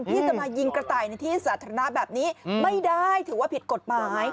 ที่จะมายิงกระต่ายในที่สาธารณะแบบนี้ไม่ได้ถือว่าผิดกฎหมาย